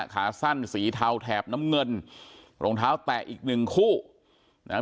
ขาสั้นสีเทาแถบน้ำเงินรองเท้าแตะอีกหนึ่งคู่นะฮะ